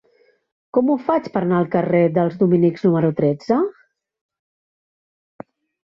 Com ho faig per anar al carrer dels Dominics número tretze?